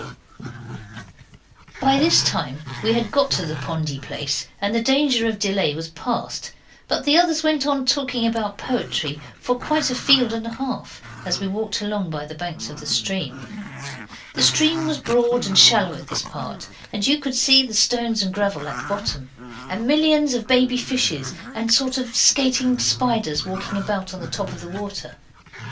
By this time we had got by the pondy place and the danger of delay was past; but the others went on talking about poetry for quite a field and a half, as we walked along by the banks of the stream. The stream was broad and shallow at this part, and you could see the stones and gravel at the bottom, and millions of baby fishes, and a sort of skating spiders walking about on the top of the water.